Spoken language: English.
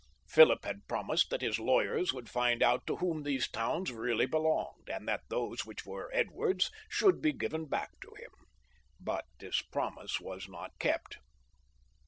Philip had pro mised that his lawyers should find out to whom these towns really belonged, and that those which were Edward's should be given back to him ; but this promise was not kept.